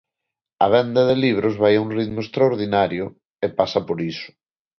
A venda de libros vai a un ritmo extraordinario e pasa por iso.